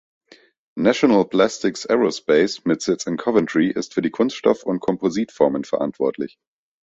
National Plastics Aerospace mit Sitz in Coventry ist für die Kunststoff- und Kompositformen verantwortlich.